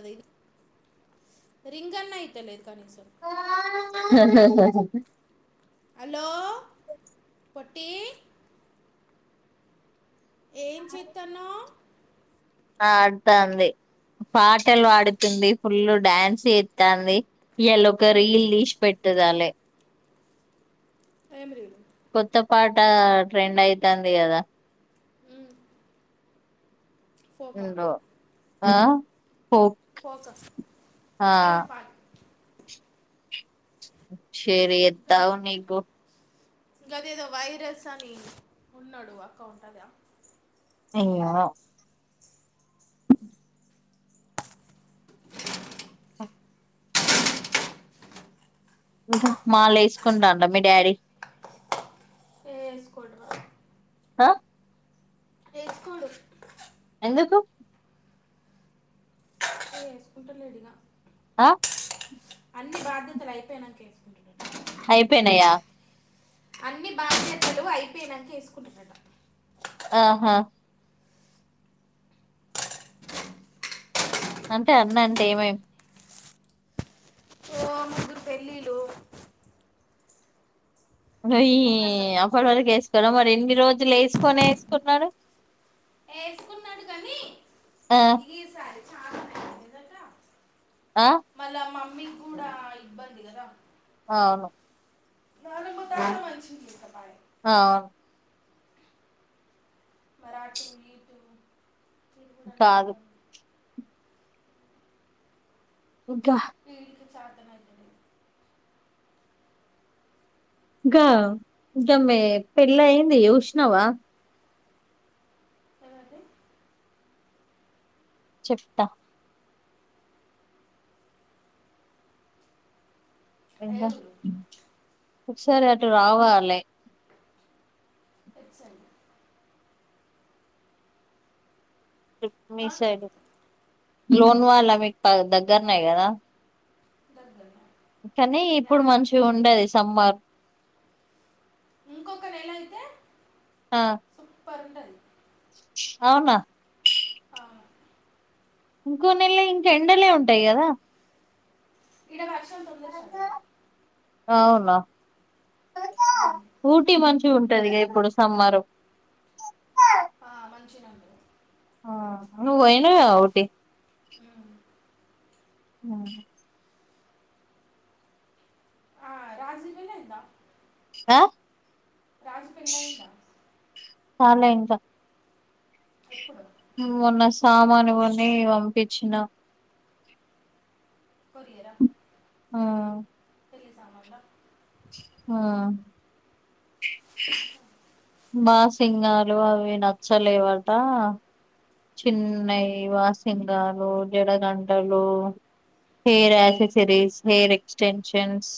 అదేదు రింగన్న కి తెలీదు కానీశర్ ఆ ఆ హలో పొట్టీ ఏం చేత్తానౌ ఆ అర్థ అన్ పాటలు పాడుతుంది ఫుల్లు డ్యాన్స్ చేస్తాంది ఎల్లో కర్రీ లీష్ పెట్ దాలే ప్రైమరి కొత్త పాట ట్రెండ్ అయితాంది కదా ఉమ్, ఉందో ఆ పో పోకస్ ఆ ఏర్పాటు షేర్ ఎత్తావు నీకు గద ఏదో వైరస్ అని ఉన్నాడు అక్క ఉంటదా అయ్యో ఓ ఇంకా మాలు వేసుకుంటాండ మీ డాడీ వేసుకోడరు హా వేసుకోడు ఎందుకు వేసుకుంటలేడిగా అ అన్ని బాధ్యతలు అయిపోయినంక వేసుకుంటరు అయిపోయినయా అన్ని బాధ్యతలు అయిపోయినాంక వేసుకుంటడట ఆహా అంటే అన్న అంటే ఏమై ఓ ముగ్గురు పెళ్లిలు యి కదా అడు వ గెస్ట్ కదా మరి ఎన్ని రోజులు వేసుకొనే వేసుకున్నారు వేసుకున్నాడు కానీ ఆ ఇది ఈసారి చాలా నచ్చిందట ఆ మళ్ళా మమ్మీకి కూడా ఇబ్బంది కదా అవును ఆ ఆ మరాఠూ ఈతూ చీర గూడా కాదు అంటిద్దాం కా పేడికి సాధన [unintelligible] గ గామే పెళ్లయింది జూస్నావ ఏమంటే చెప్తా ఏ ఇంకా ఊరు ఒకసారి అటు రావాలే ఎ సం మీ సైడు లోన్ వాళ్ల మీకు దగ్గరనే కదా దగ్గర కానీ యా ఇప్పుడు మంచిగా ఉండది సమ్మర్ ఇంకొక నెల అయితే ఆ పరుండది అవునా ఇంకో నెల ఇంకా ఎండలే ఉంటాయి కదా ఈడ వ [unintelligible] అవునా ఊటీ మంచి ఉంటదిగా ఇప్పుడు సమ్మరు మంచినే ఉంటది ఆ నువ్వు పోయినావా ఊటీ ఆ పెళ్లయిందా అ ఆజ్ పెళ్లయ్యిందా కాలే ఇంకా ఎప్పుడు మొన్న సామానుకొని పంపించిన కొరియరా ఆ పెళ్లి సామాన్ల ఆ ఆ బాసింగాలు అవి నచ్చలేవాట చిన్నయ్ వాసింగాలు జడగంటలు hair accessories hair extensions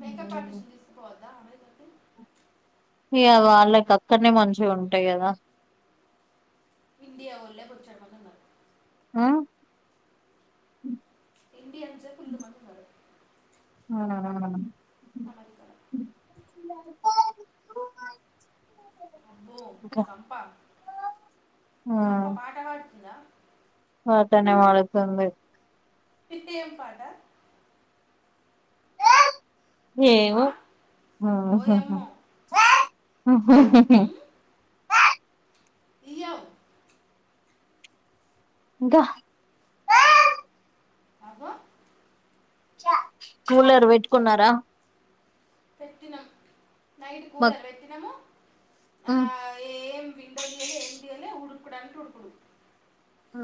makeup artist ని తీసుకు దా అమేజ కి ఇ వాళ్ళకి అక్కన్నే మంచిగా ఉంటాయి కదా ఇండియా వొళ్ళే బొచ్చడ మంది ఉన్నారు ఆ ఇండియన్సె ఫుల్లు మంది ఉన్నారు [inaudible] అమరికాలా రోమాంచ ఓ చంప చంప పాఠపాడు ఇన్నా పాటనే పడుతడులే త్తయం పాట ఏమో ఆ? ఓయమ్మో ఇయ్యం దహ అబ్బో కూలర్ పెట్టుకున్నార పెట్టిన నైట్ కూలర్ పెట్టినము ఆ ఉడుకుడంటే ఉడుకుడు ఆ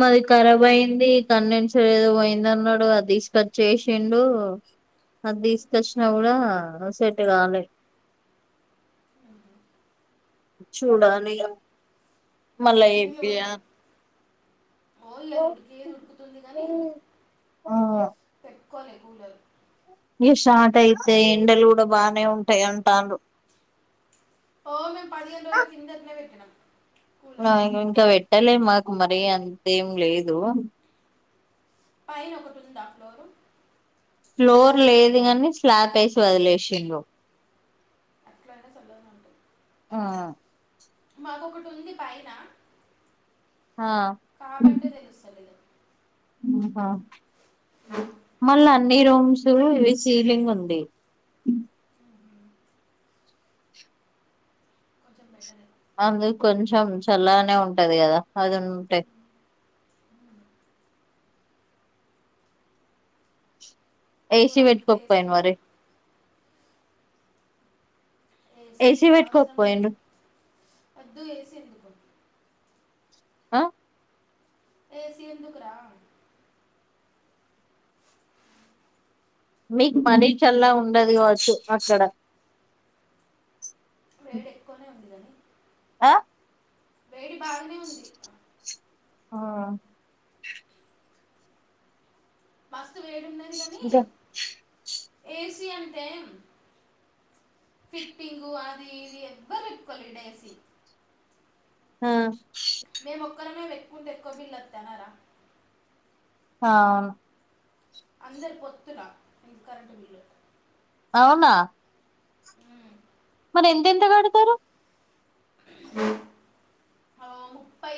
మాది ఖరాబ్ మళ్ళా అయింది తన్ ఏదో పోయిందన్నాడు అది తీసుకొచ్చేసిండు అది తీసుకొచ్చినా కూడా సెట్ కాలే చూడాలి ఇగ మళ్ళ చేపియ్యాలే [unintelligible] ఉడికెది ఉడుకుతుంది కానీ [unintelligible] కొలె కూలర్ ఈ షార్ట్ అయితే ఎండలు కూడా బానే ఉంటాయి అంటారు ఓ మేం పదిహేను రోజుల కిందట్లే పెట్టినం [unintelligible] ఇంకా వెట్ ట్టలేే మాకు మరీ అంతేం లేదు పయనా ఒకటుండదా ఫ్లోర్ ఫ్లోర్ లేదు గని స్లాబ్ వేసి వదిలేసిండ్రు అట్లాయినా సల్లగుంటది ఆ మాకొకటి ఉంది పైన ఆ కాబట్ట తెలుస్తలేదు ఆ హా మళ్ళా అన్ని రూమ్స్ ఇవి సీలింగ్ ఉంది కొంచెం బెటర్ అందుకు కొంచెం చల్లనే ఉంటది కదా అది ఉంటే కూర ఏసీ వేట్ అంతా కోకపోఇండ్రు వేసుకున్నా మరి ఏసీ అవసరం లేదు వద్దు ఏసీ ఎందుకు అ ఏసి ఎందుకురా మీకు మరీచల్లా ఉండదు కాచ్చు అక్కడ ఈడ ఎక్కువనే ఉంది గాని అ బాగానే ఉంది ఆ మస్తు వేడున్నాయ్ ఇంకా ఏసీ అంటే ఫిట్టింగు అది ఇది ఎవ్వరు ఒప్పుకోలా ఏసీ హ [unintelligible] వీళ్ళు ఒత్తనారా ఆ అందరు పొత్తుల ఇంత కరెంటు బిల్లు అవునా ఉమ్. మరి ఎంత ఎంత గడతారు ఆ ముప్పై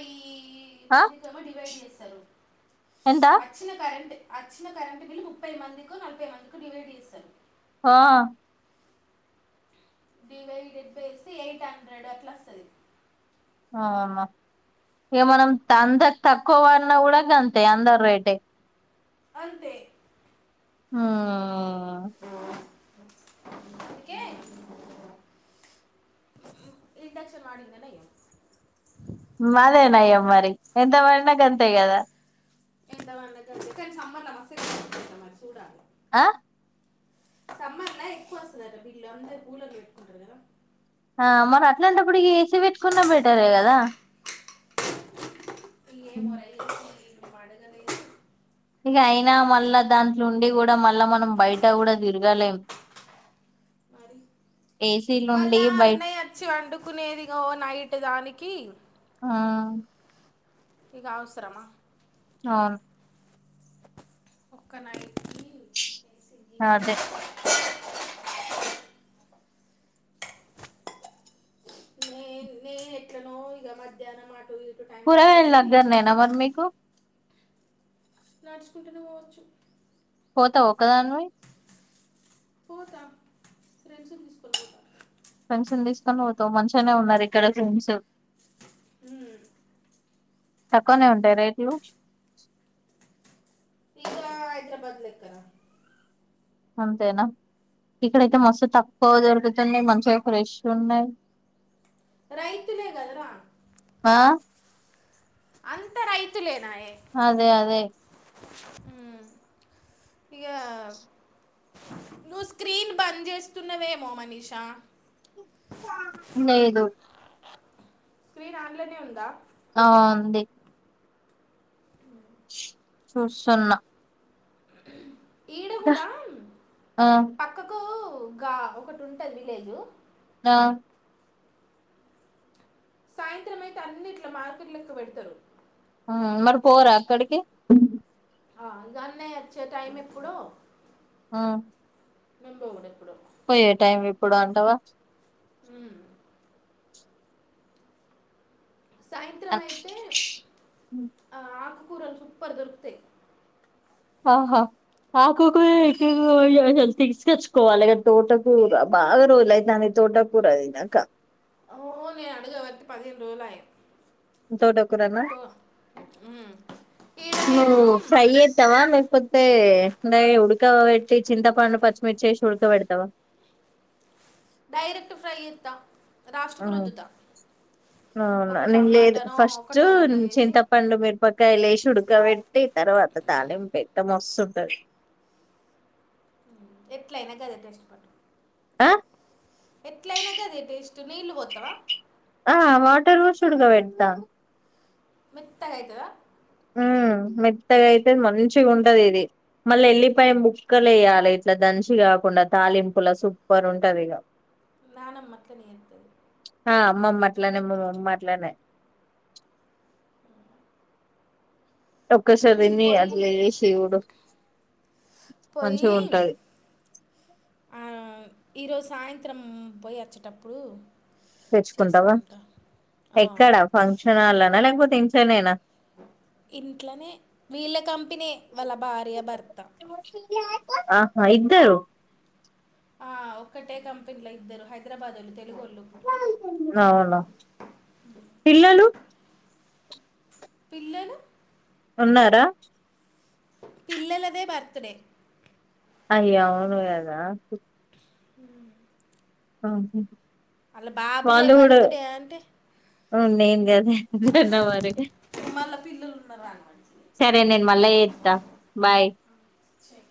ఆ మందికేమో డివైడ్ చేస్తారు ఎంత వచ్చిన కరెంట్ వచ్చిన కరెంటు బిల్లు ముప్పై మందికో నలభై మందికో డివైడ్ చేస్తారు హ డివైడిడ్ బై వేస్తే ఎయిట్ హండ్రెడ్ అట్లా వస్తది అవునా ఇక మనం అంత తక్కువ వాడిన కూడా అంతే అందరు రేటే అంతే ఉమ్ కే ఇండక్షన్ వాడదానే అయ్యో అదేనయ్య మరి ఎంత పడిన అంతే కదా ఎంత సమ్మర్ ల చూడాల ఆ సమ్మర్లా ఎక్కువ వస్తదట వీళ్ళు అందరూ కూలర్లు పెట్టుకుంటారు కదా ఆ మరి అట్లాంటప్పుడు ఏసీ పెట్టుకున్న బెటరే కదా ఇంగే మొర మడగలే ఇక అయినా మళ్ళా దాంట్లో ఉండి కూడా మళ్ళా మనం బయట కూడ తిరగలేం ఏసీలుండి మళ్ళా బయట అన్నయ్య వచ్చి వండుకునేది ఓ నైట్ దానికి ఆ ఇక అవసరమా ఆ ఒక్క నైట్ అదే మేయి నేను ఎట్లా నో ఇక మధ్యాహ్నం మాట ఇ కూరగాయలు దగ్గరనేనా మరి మీకు నడుచుకుంటునే పోవచ్చు పోతావ ఎక్కడనే. ఒక్కదానివి పోతా ఫ్రెండ్స్ తీసుకొని పోతా ఫ్రెండ్స్ తీసుకని పోతావు మంచిగానే ఉన్నారు ఇక్కడ ఫ్రెండ్స్ ఉమ్ తక్కువనే ఉంటాయి రేట్లు ఇక హైదరాబాద్ లో ఎక్కడ అంతేనా ఇక్కడైతే మస్తు తక్కువ దొరుకుతుంది మంచిగా ఫ్రెష్ ఉన్నాయి రైతులే గదరా ఆ అంత రైతులే అదే అదే మ్మ్ ఇక నువ్వు స్క్రీన్ బంద్ చేస్తున్నవేమో మనీషా లేదు స్క్రీన్ ఆన్ లోనే ఉందా ఆ ఉంది చూస్తున్నా ఈడ ప కూడా ఆ పక్కకు గా ఒకటి ఉంటంది విలేజ్ ఆ సాయంత్రం అయితే అన్నిట్లో మార్కెట్ లెక్క పెడతారు మ్మ్ మరి పోరా అక్కడికి ఆ ఇగ అన్నయ్య వచ్చే టైం ఎప్పుడు ఆ మేమ్ పోవుడు ఎప్పుడూ పోయే టైం ఎప్పుడు అంటవా మ్మ్ సాయంత్రం అయితే ఆ ఆకు కూరలు కుప్పల్ దొరుకుతాయ్ ఆహా ఆకు కూర [unintelligible] తీసుకొచ్చుకోవాలి తోటకూర బాగా రోజులైతంది తోటకూర తిన్నాక ఓ నే అడుగవట్టి పదిహేను రోజులయ తోట కూరనా నువ్వు ఫ్రై ఈడనేమో చెత్తవ లేకపోతే డయి ఉడక ఉక పెట్టి చింతపండు పచ్చిమిర్చి ఏసీ ఉడకబేడతావా డైరెక్ట్ ఫ్రై చేత్త మ్మ్ అవునా ఒక నేను లేదు టమాటానో ఫస్ట్ ఒకటో రెండో వేసి చింతపండు మిరపకాయలేసి ఉడుక్ ఉడకపెట్టి తర్వాత తాళిం పెట్ట మస్తుంటది ఎట్లాయినాక అద టెస్ట్ ప ఆ ఎట్లయినా గదే టేస్ట్ నీళ్లు పోతావా ఆ వాటర్ పోషి ఉడక పెడతా మెత్తగైతద ఉ మెత్తగా అయితే మంచిగా ఉంటది ఇది మళ్ళీ వెళ్లిపాయా ముక్కలు వేయాలి ఇట్లా దంచి కాకుండా తాలింపులా సూపర్ ఉంటది ఇక నానమ్మ అట్లనే చెత్తది ఆ అమ్మమ్మ అట్లనే మా మమ్మీ అట్లనే ఒక్కసారి దీన్ని పొయ్యి అట్లా చేసి చూడు మంచిగ పొయ్యి ఉంటది ఆ, ఈరోజు సాయంత్రం పోయి వచ్చేటప్పుడు తెచ్చుకుంటావా చేసుకుంటా ఆ, ఎక్కడా ఫంక్షన్లనా లేకపోతే తెన్క్షనేనా ఇంట్లోనే వీళ్ళ కంపినీ వాళ్ళ భార్య భర్త ఆహా ఇద్దారు ఆ ఒక్కటే కంపెనీలో ఇద్దరు హైదరాబాద్ వాళ్ళ తెలుగు వాళ్ళు అవునా పిల్లలు పిల్లను ఉన్నారా పిల్లలదే బర్త్ డే అయ్యో అవును కదా మ్ ఆహ వాళ్ల బాబుదే బర్త్డే అంటే అవ్ను నేన్ గదే జనవరి మళ్ళా పిల్లలు ఉన్నారా అని మంచిది సరే నేన్ మళ్ళా జెత్తా బాయ్ చెయ్